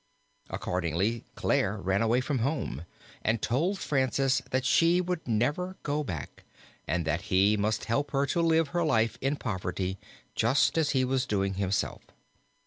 Accordingly Clare ran away from home and told Francis that she would never go back and that he must help her to live her life in poverty just as he was doing himself.